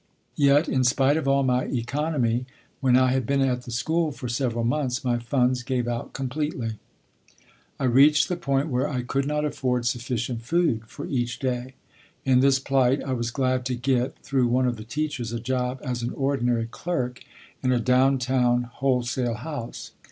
Yet, in spite of all my economy, when I had been at the school for several months, my funds gave out completely. I reached the point where I could not afford sufficient food for each day. In this plight I was glad to get, through one of the teachers, a job as an ordinary clerk in a downtown wholesale house.